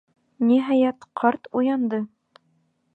Ниһайәт, ҡарт уянды.